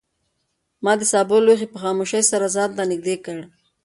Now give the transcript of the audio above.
ما د سابو لوښی په خاموشۍ سره ځان ته نږدې کړ.